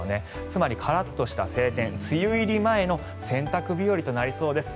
つまりカラッとした晴天梅雨入り前の洗濯日和となりそうです。